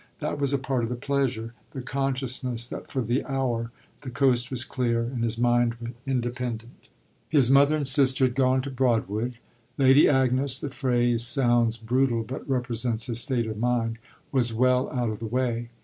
That was a part of the pleasure the consciousness that for the hour the coast was clear and his mind independent. His mother and his sister had gone to Broadwood: Lady Agnes the phrase sounds brutal but represents his state of mind was well out of the way.